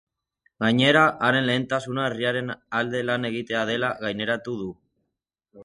Gainera, haren lehentasuna herriaren alde lan egitea dela gaineratu du.